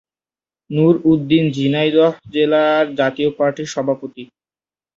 নুর উদ্দিন ঝিনাইদহ জেলা জাতীয় পার্টির সভাপতি।